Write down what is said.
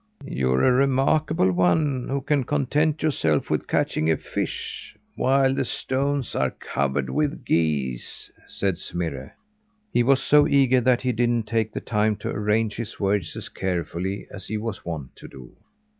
"You're a remarkable one, who can content yourself with catching a fish, while the stones are covered with geese!" said Smirre. He was so eager, that he hadn't taken the time to arrange his words as carefully as he was wont to do.